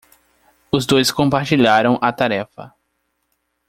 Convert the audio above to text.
Os dois compartilharam a tarefa.